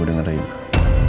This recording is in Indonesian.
untuk anda bertemu dengan reina